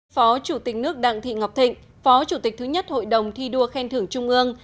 phó chủ tịch nước đặng thị ngọc thịnh phó chủ tịch thứ nhất hội đồng thi đua khen thưởng trung ương